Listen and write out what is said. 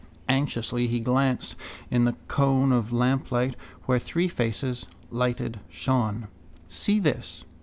Anxiously he glanced in the cone of lamplight where three faces, lighted, shone. See this.